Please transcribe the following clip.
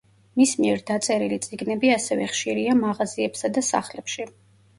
მის მიერ დაწერილი წიგნები ასევე ხშირია მაღაზიებსა და სახლებში.